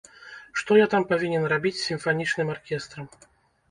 Што я там павінен рабіць з сімфанічным аркестрам?